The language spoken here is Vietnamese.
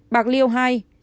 bạc liêu hai ca nhiễm